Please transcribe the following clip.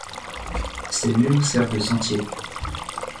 Ces murs servent de sentier.